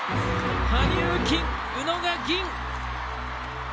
羽生金宇野が銀！